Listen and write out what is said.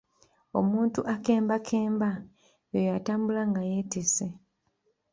Omuntu akembakemba y’oyo atambula nga yeetisse.